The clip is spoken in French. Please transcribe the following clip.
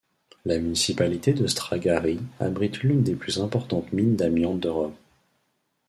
La municipalité de Stragari abrite l'une des plus importantes mines d'amiante d'Europe.